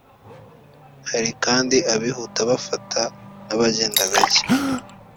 Hari kandi abihuta gufata n’abagenda gake